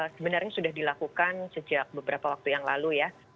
sebenarnya sudah dilakukan sejak beberapa waktu yang lalu ya